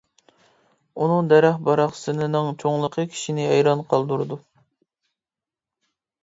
ئۇنىڭ دەرەخ باراقسىنىنىڭ چوڭلۇقى كىشىنى ھەيران قالدۇرىدۇ.